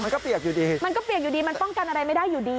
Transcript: มันก็เปียกอยู่ดีมันป้องกันอะไรไม่ได้อยู่ดี